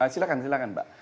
silahkan silahkan mbak